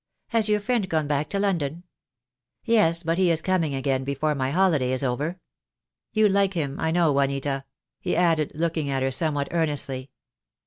Has your friend gone back to London?" "Yes; but he is coming again before my holiday is over. You like him, I know, Juanita," he added, looking at her somewhat earnestly.